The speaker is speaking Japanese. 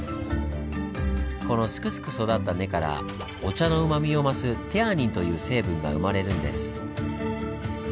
このすくすく育った根からお茶のうまみを増す「テアニン」という成分が生まれるんです。